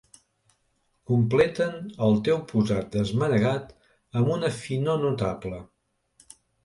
Completen el teu posat desmanegat amb una finor notable.